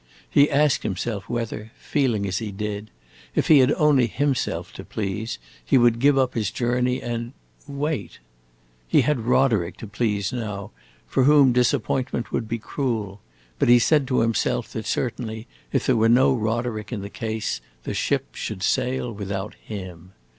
He asked himself whether, feeling as he did, if he had only himself to please, he would give up his journey and wait. He had Roderick to please now, for whom disappointment would be cruel; but he said to himself that certainly, if there were no Roderick in the case, the ship should sail without him.